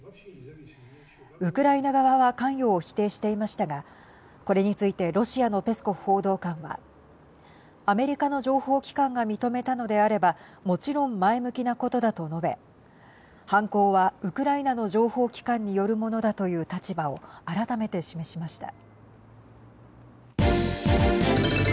ウクライナ側は関与を否定していましたがこれについてロシアのペスコフ報道官はアメリカの情報機関が認めたのであればもちろん前向きなことだと述べ犯行はウクライナの情報機関によるものだという立場を改めて示しました。